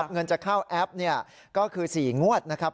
เงินจะเข้าแอปก็คือ๔งวดนะครับ